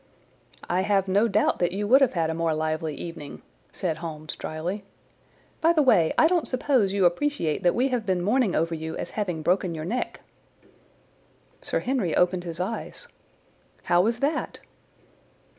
"I have no doubt that you would have had a more lively evening," said Holmes drily. "By the way, I don't suppose you appreciate that we have been mourning over you as having broken your neck?" Sir Henry opened his eyes. "How was that?"